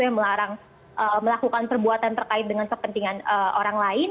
yang melarang melakukan perbuatan terkait dengan kepentingan orang lain